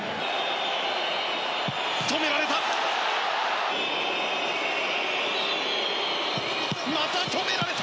止められた。